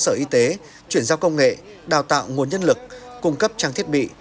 sở y tế chuyển giao công nghệ đào tạo nguồn nhân lực cung cấp trang thiết bị